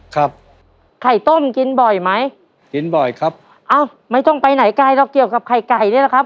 ครับไข่ต้มกินบ่อยไหมกินบ่อยครับอ้าวไม่ต้องไปไหนไกลหรอกเกี่ยวกับไข่ไก่นี่แหละครับ